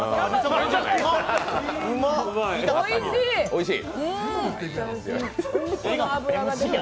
おいしい！